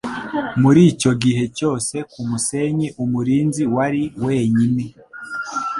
Muri icyo gihe cyose ku musenyi umurinzi wari wenyine